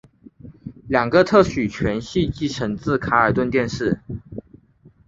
两个特许权系继承自卡尔顿电视。